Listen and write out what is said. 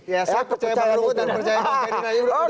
ya saya percaya pak jokowi dan percaya pak karin